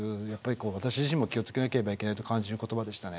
私自身も気を付けなければいけないと感じる言葉でした。